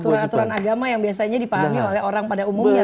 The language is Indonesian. aturan aturan agama yang biasanya dipahami oleh orang pada umumnya